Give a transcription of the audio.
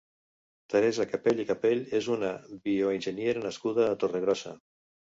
Teresa Capell i Capell és una bioenginyera nascuda a Torregrossa.